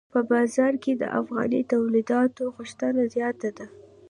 په بازار کې د افغاني تولیداتو غوښتنه زیاته ده.